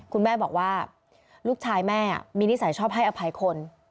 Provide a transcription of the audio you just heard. คุณแม่บอกว่าลูกชายแม่มีนิสัยชอบให้อภัยคน